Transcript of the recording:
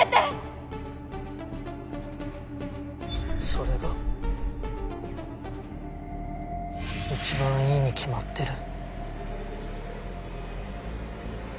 それが１番いいに決まってる！